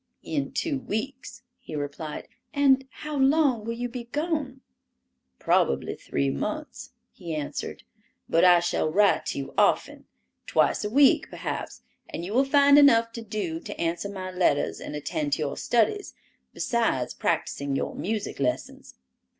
"In two weeks," he replied. "And how long will you be gone?" "Probably three months," he answered. "But I shall write to you often; twice a week, perhaps, and you will find enough to do to answer my letters and attend to your studies, besides practicing your music lessons.